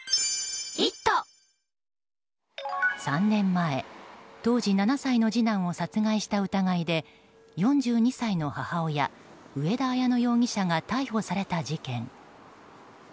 ３年前、当時７歳の次男を殺害した疑いで４２歳の母親、上田綾乃容疑者が逮捕された事件。